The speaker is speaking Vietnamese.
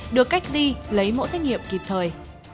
được cách đi lấy mẫu xét nghiệm kịp thời